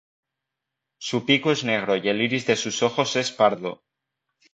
Su pico es negro y el iris de sus ojos es pardo.